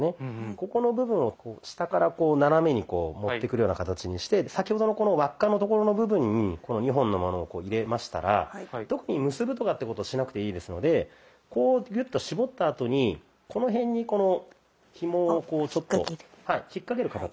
ここの部分を下から斜めにこう持ってくるような形にして先ほどのこの輪っかのところの部分にこの２本のものをこう入れましたら特に結ぶとかってことしなくていいですのでこうギュッと絞ったあとにこの辺にこのひもをこうちょっと引っ掛ける形で。